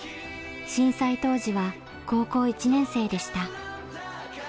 震災当時は高校１年生でした。